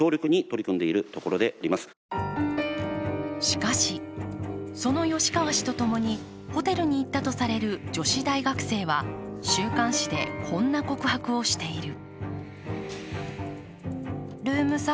しかし、その吉川氏とともにホテルに行ったとされる女子大学生は週刊誌でこんな告白をしている。